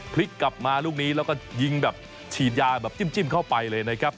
พลิกกลับมาลูกนี้แล้วก็ยิงแบบฉีดยาแบบจิ้มเข้าไปเลยนะครับ